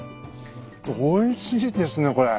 おいしいですねこれ。